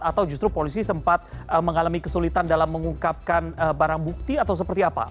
atau justru polisi sempat mengalami kesulitan dalam mengungkapkan barang bukti atau seperti apa